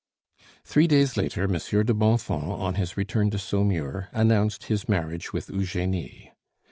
Three days later Monsieur de Bonfons, on his return to Saumur, announced his marriage with Eugenie.